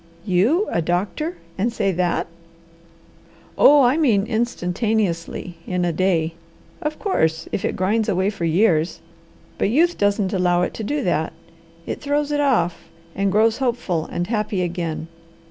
"You, a doctor and say that!" "Oh, I mean instantaneously in a day! Of course if it grinds away for years! But youth doesn't allow it to do that. It throws it off, and grows hopeful and happy again.